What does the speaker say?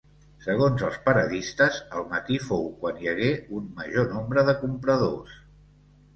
Segons els paradistes el matí fou quan hi hagué un major nombre de compradors.